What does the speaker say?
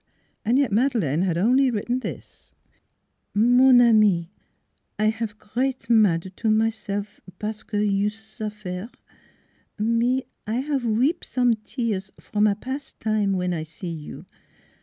And yet Madeleine had only written this: " Mon ami, I have grate mad to myself parce que you suffaire. Me I have weep some tear from a past time when I see you.